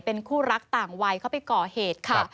เป็นคู่รักต่างวัยเข้าไปก่อเหตุค่ะ